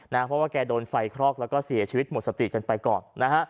เพราะว่าแกโดนไฟคลอกแล้วก็เสียชีวิตหมดสติกันไปก่อนนะฮะ